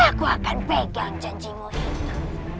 aku akan pegang janjimu itu